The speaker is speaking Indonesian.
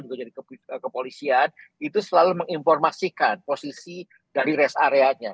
juga dari kepolisian itu selalu menginformasikan posisi dari rest areanya